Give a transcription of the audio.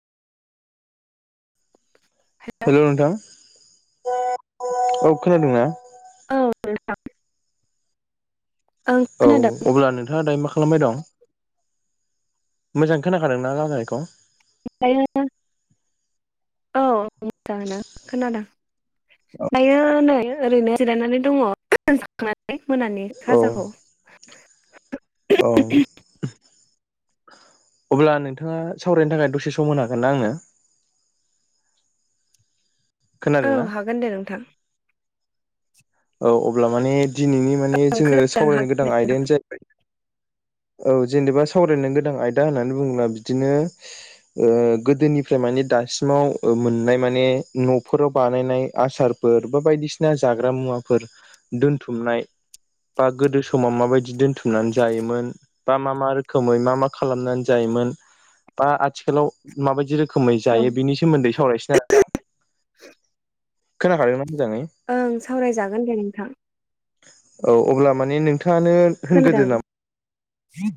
हेल' नोंथां औ खोनादोंना? औ नोंथां। ओं औ खोनादों अब्ला नोंथाङा दायो मा खालामबाय दं? मोजाङै खोनाखादोंना रायलायनायखौ? ओमफायो औ मोजाङैनो खोनादों दायो नै ओरैनो जिरायनानै दङ। [unintelligible] मोनानि औ खाजाखौ। औ। अब्ला नोंथाङा सावरायनो थाखाय दसे सम होनो हागोनना आंनो? औ खोनादोंना? हागोन दे नोंथां। औ अब्ला माने दिनैनि माने ओं जोङो खोनादों सावरायनो हागोन गोनां दे आयदायानो जा औ जेनेबा सावरायनो गोनां आयदा होननानै बुङोब्ला बिदिनो गोदोनिफ्राय माने दासिमाव मोननाय माने न'फोराव बानायनाय आसार फोर बा बायदिसिना जाग्रा मुवाफोर दोनथुमनाय बा गोदो समाव माबायदि दोनथुमनानै जायोमोन? बा मा मा रोखोमै मा मा खालामनानै जायोमोन बा आथिखालाव माबायदि रोखोमै औ जायो बिनि सोमोन्दै सावरायनोसैना दा खोनाखादोंना मोजाङै? ओं सावरायजागोन दे नोंथां। औ अब्ला माने नोंथाङानो होनग्रोदो नामा खोनादों